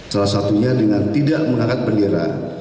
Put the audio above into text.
salah satunya dengan tidak mengangkat bendera